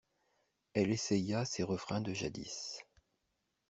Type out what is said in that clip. Elle essaya ses refrains de jadis.